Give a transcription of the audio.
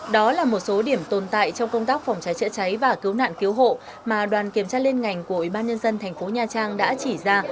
đó là một số điểm tồn tại trong công tác phòng cháy chữa cháy và cứu nạn cứu hộ mà đoàn kiểm tra liên ngành của ủy ban nhân dân thành phố nha trang đã chỉ ra